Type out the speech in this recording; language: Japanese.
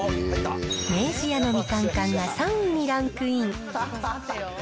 明治屋のみかん缶が３位にランクイン。